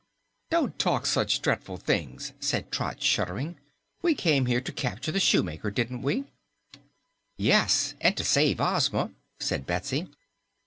"Don't talk of such dreadful things," said Trot, shuddering. "We came here to capture the Shoemaker, didn't we?" "Yes, and to save Ozma," said Betsy.